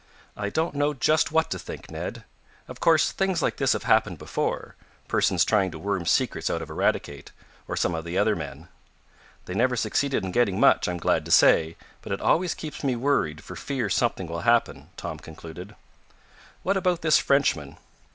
"I don't know just what to think, Ned. Of course things like this have happened before persons trying to worm secrets out of Eradicate, or some of the other men." "They never succeeded in getting much, I'm glad to say, but it always keeps me worried for fear something will happen," Tom concluded. "But about this Frenchman?"